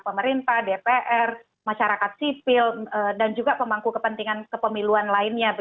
pemerintah dpr masyarakat sipil dan juga pemangku kepentingan kepemiluan lainnya